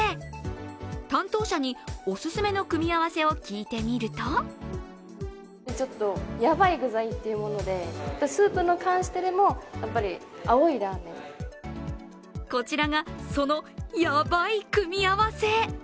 担当者にお勧めの組み合わせを聞いてみるとこちらがそのヤバい組み合わせ。